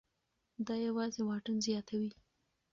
دا یوازې واټن زیاتوي.